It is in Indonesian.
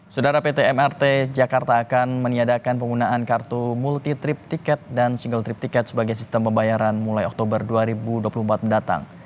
saudara pt mrt jakarta akan meniadakan penggunaan kartu multi trip tiket dan single trip tiket sebagai sistem pembayaran mulai oktober dua ribu dua puluh empat mendatang